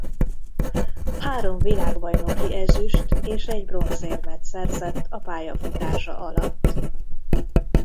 Három világbajnoki ezüst- és egy bronzérmet szerzett a pályafutása alatt.